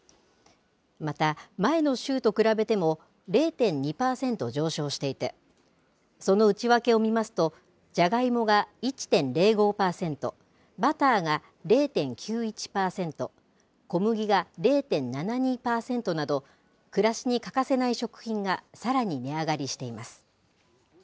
また、前の週と比べても、０．２％上昇していて、その内訳を見ますと、ジャガイモが１．０５％、バターが０．９１％、小麦が０．７２％など、暮らしに欠かせない食品がさらに値上がりしています。